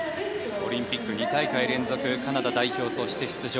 オリンピック２大会連続カナダ代表として出場。